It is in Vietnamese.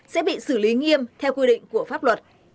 sẽ bị xử lý nghiêm theo quy định của pháp luật